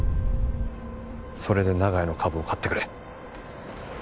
それで長屋の株を買ってくれ。